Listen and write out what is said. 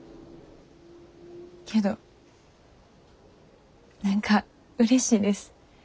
けど何かうれしいです。